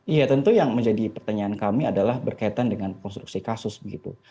iya tentu yang menjadi pertanyaan kami adalah berkaitan dengan konstruksi kasus begitu